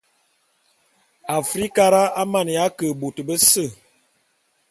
Afrikara a maneya ke bôt bese.